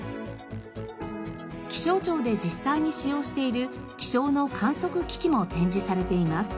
気象庁で実際に使用している気象の観測機器も展示されています。